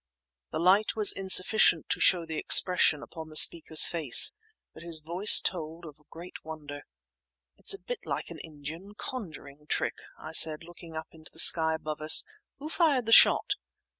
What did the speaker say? The light was insufficient to show the expression upon the speaker's face, but his voice told of a great wonder. "It is a bit like an Indian conjuring trick," I said, looking up to the sky above us; "who fired the shot?"